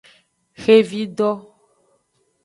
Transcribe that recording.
Xevido.